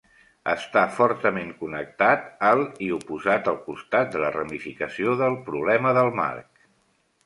Està fortament connectat al, i oposat al costat de la ramificació del, problema del marc.